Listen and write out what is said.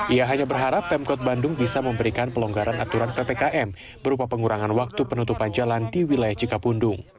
ia hanya berharap pemkot bandung bisa memberikan pelonggaran aturan ppkm berupa pengurangan waktu penutupan jalan di wilayah cikapundung